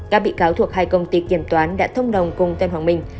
các bị cáo thuộc hai công ty kiểm toán đã thông đồng cùng tên hoàng minh